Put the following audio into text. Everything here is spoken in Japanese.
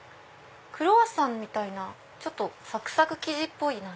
クロワッサンみたいなサクサク生地っぽいな。